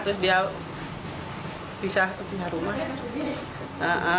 terus dia bisa punya rumah